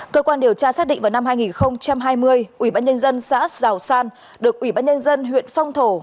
cơ quan điều tra xác định vào năm hai nghìn hai mươi ubnd xã giào san được ubnd huyện phong thổ